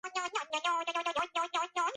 სოფლის ისტორიული სახელწოდებაა ბუკნარი.